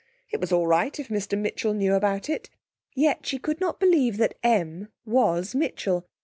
It was all right if Mr Mitchell knew about it. Yet she could not believe that 'M' was Mitchell.